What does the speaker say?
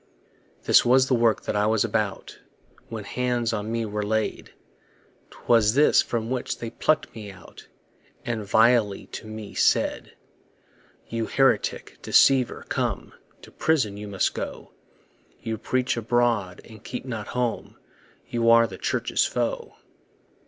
This was the work I was about When hands on me were laid; 'Twas this from which they pluck'd me out And vilely to me said: You heretic, deceiver, come, To prison you must go; You preach abroad, and keep not home, You are the Church's foe.